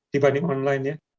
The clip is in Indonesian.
dibanding online ya